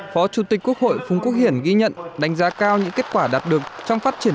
phó chủ tịch quốc hội phùng quốc hiển ghi nhận đánh giá cao những kết quả đạt được trong phát triển